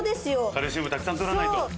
カルシウムたくさん取らないと。